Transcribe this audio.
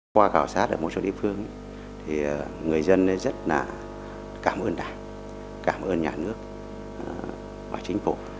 qua khảo sát ở một số địa phương thì người dân rất là cảm ơn đảng cảm ơn nhà nước và chính phủ